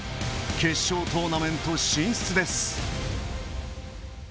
決勝トーナメント進出です。